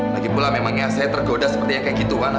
lagipula memangnya saya tergoda sepertinya kayak gitu wana pak